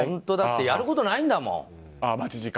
やることないんだもん。